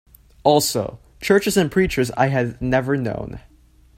Also, churches and preachers I had never known.